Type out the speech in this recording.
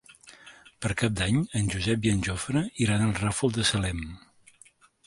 Per Cap d'Any en Josep i en Jofre iran al Ràfol de Salem.